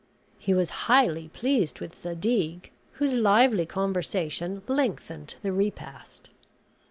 He was highly pleased with Zadig, whose lively conversation lengthened the repast.